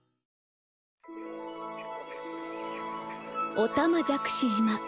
おたまじゃくし島。